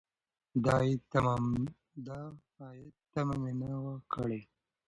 د عاید تمه مې نه وه کړې.